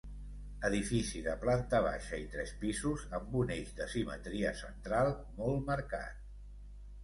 Edifici de planta baixa i tres pisos amb un eix de simetria central molt marcat.